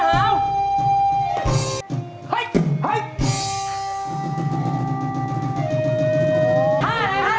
ห้าอะไรนะ